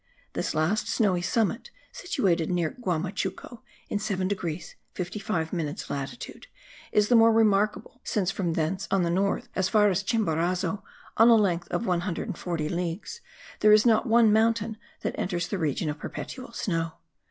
This last snowy summit, situated near Guamachuco (in 7 degrees 55 minutes latitude), is the more remarkable, since from thence on the north, as far as Chimborazo, on a length of 140 leagues, there is not one mountain that enters the region of perpetual snow.